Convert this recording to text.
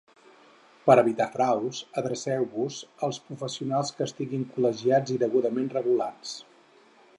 Per evitar fraus, adreceu-vos als professionals que estiguin col·legiats i degudament regulats.